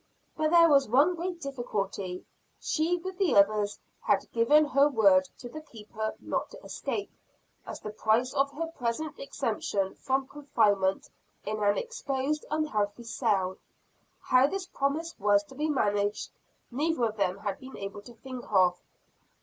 But there was one great difficulty. She, with the others, had given her word to the Keeper not to escape, as the price of her present exemption from confinement in an exposed, unhealthy cell. How this promise was to be managed, neither of them had been able to think of.